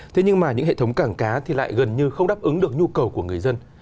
thế nhưng mà những hệ thống cảng cá thì lại gần như không đáp ứng được nhu cầu của người dân